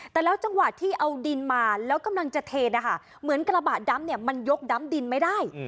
แต่แล้วจังหวะที่เอาดินมาแล้วกำลังจะเทนนะคะเหมือนกระบะดำเนี่ยมันยกดำดินไม่ได้